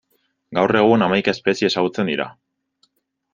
Gaur egun hamaika espezie ezagutzen dira.